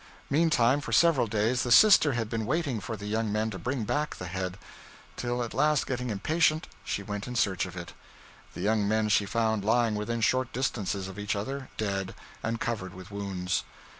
Meantime, for several days, the sister had been waiting for the young men to bring back the head; till, at last, getting impatient, she went in search of it. The young men she found lying within short distances of each other, dead, and covered with wounds.